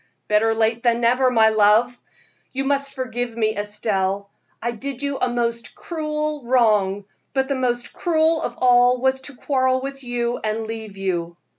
"Better late than never, my love. You must forgive me, Estelle. I did you a most cruel wrong, but the most cruel of all was to quarrel with you and leave you."